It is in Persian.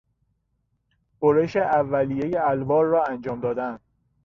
برش اولیهی الوار را انجام دادن